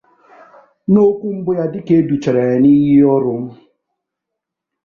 N’okwu mbụ ya dịka e duchara ya n’iyi ọrụ